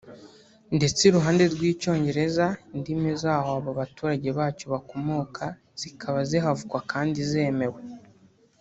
ndetse iruhande rw’icyongereza indimi zaho abo baturage bacyo bakomoka zikaba zihavugwa kandi zemewe